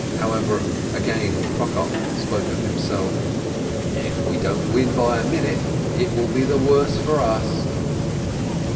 However, again Prokop spoke of himself. "If we don't win by a minute, it will be the worse for us."